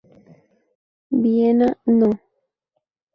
Vienna No.